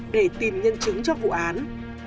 để tìm nhân chứng cho vụ án